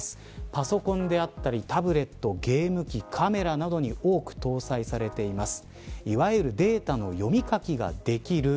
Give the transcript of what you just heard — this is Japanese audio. パソコンであったりタブレット、ゲーム機カメラなどに多く搭載されています。